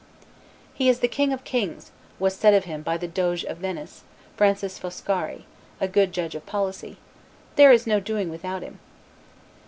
"He is the king of kings," was said of him by the Doge of Venice, Francis Foscari, a good judge of policy; "there is no doing without him."